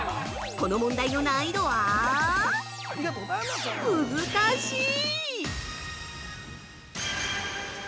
この問題の難易度はむずかしい！